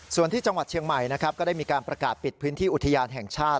ส่วนที่จังหวัดเชียงใหม่นะครับก็ได้มีการประกาศปิดพื้นที่อุทยานแห่งชาติ